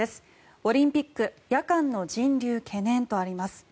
オリンピック夜間の人流懸念とあります。